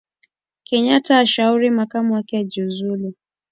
Kenyatta ashauri makamu wake ajiuzulu